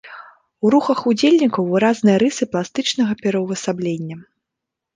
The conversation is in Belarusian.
У рухах удзельнікаў выразныя рысы пластычнага пераўвасаблення.